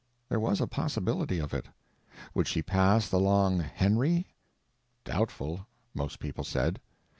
There was a possibility of it. Would she pass the long Henry? Doubtful, most people said.